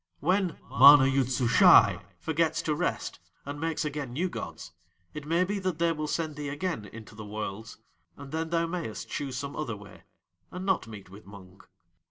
When MANA YOOD SUSHAI forgets to rest and makes again new gods it may be that They will send thee again into the Worlds; and then thou mayest choose some other way, and not meet with Mung."